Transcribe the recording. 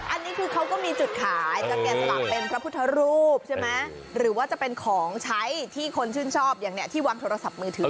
อันนี้คือเขาก็มีจุดขายจะแกะสลักเป็นพระพุทธรูปใช่ไหมหรือว่าจะเป็นของใช้ที่คนชื่นชอบอย่างเนี่ยที่วางโทรศัพท์มือถือ